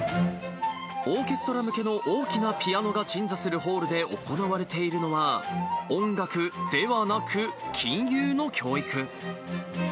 オーケストラ向けの大きなピアノが鎮座するホールで行われているのは、音楽ではなく、金融の教育。